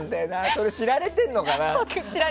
それ知られてるのかな？